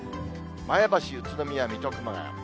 前橋、宇都宮、水戸、熊谷。